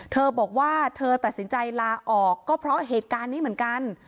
เธอบอกว่าเธอตัดสินใจลาออกก็เพราะเหตุการณ์นี้เหมือนกัน